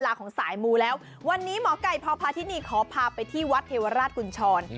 ของสายมูแล้ววันนี้หมอไก่พอพาทินีขอพาไปที่วัดเทวราชกุญชร